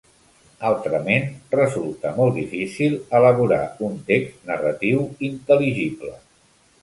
Altrament resulta molt difícil elaborar un text narratiu intel·ligible.